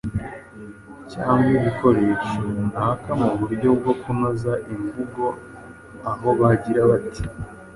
cyangwa ibikoresho runaka mu buryo bwo kunoza imvugo aho bagira bati: